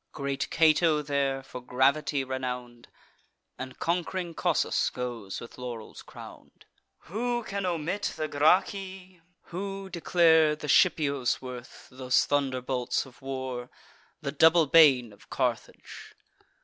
Great Cato there, for gravity renown'd, And conqu'ring Cossus goes with laurels crown'd. Who can omit the Gracchi? who declare The Scipios' worth, those thunderbolts of war, The double bane of Carthage?